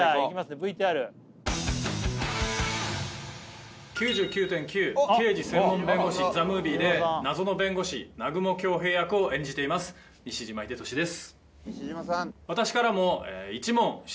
ＶＴＲ「９９．９−刑事専門弁護士−ＴＨＥＭＯＶＩＥ」で謎の弁護士・南雲恭平役を演じています西島秀俊です